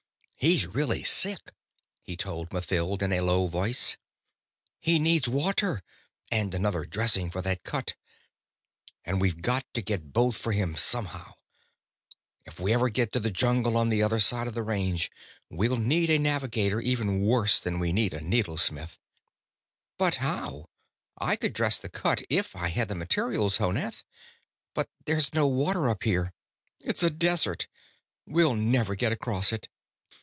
"He's really sick," he told Mathild in a low voice. "He needs water, and another dressing for that cut. And we've got to get both for him somehow. If we ever get to the jungle on the other side of the Range, we'll need a navigator even worse than we need a needlesmith." "But how? I could dress the cut if I had the materials, Honath. But there's no water up here. It's a desert; we'll never get across it."